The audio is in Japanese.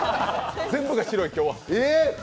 全部が白い、今日は。